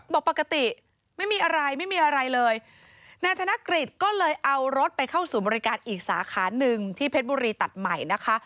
บอกปกติไม่มีอะไรไม่มีอะไรเลยนายธนกฤษก็เลยเอารถไปเข้าศูนย์บริการอีกสาขาหนึ่งที่เพชรบุรีตัดใหม่นะคะ